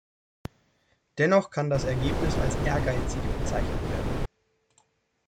Dennoch kann das Ergebnis als ehrgeizig bezeichnet werden.